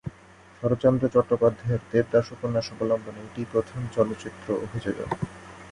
শরৎচন্দ্র চট্টোপাধ্যায়ের দেবদাস উপন্যাস অবলম্বনে এটিই প্রথম চলচ্চিত্র অভিযোজন।